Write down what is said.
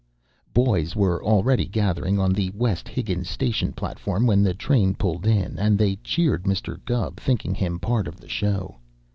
Boys were already gathering on the West Higgins station platform when the train pulled in, and they cheered Mr. Gubb, thinking him part of the show.